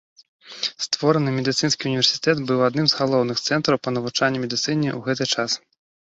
Створаны медыцынскі ўніверсітэт быў адным з галоўных цэнтраў па навучанні медыцыне ў гэты час.